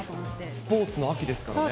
スポーツの秋ですからね。